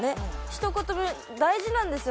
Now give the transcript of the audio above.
ひと言目大事なんですよ